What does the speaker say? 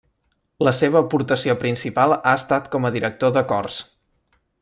La seva aportació principal ha estat com a director de cors.